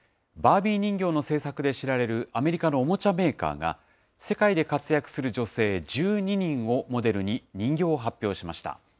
バービー人形の製作で知られるアメリカのおもちゃメーカーが、世界で活躍する女性１２人をモデルに人形を発表しました。